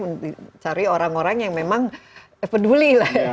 mencari orang orang yang memang peduli lah